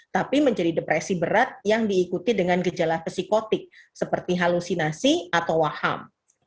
tapi menjadi depresi berat yang diikuti dengan gejala psikotik seperti halusinasi atau waham